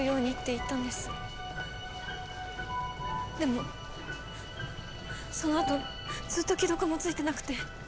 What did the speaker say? でもそのあとずっと既読もついてなくて。